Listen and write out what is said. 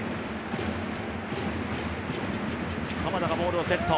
鎌田がボールをセット。